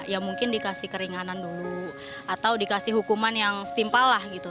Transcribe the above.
ya mungkin dikasih keringanan dulu atau dikasih hukuman yang setimpal lah gitu